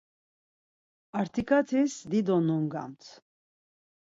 Artikatiz dido nungamt.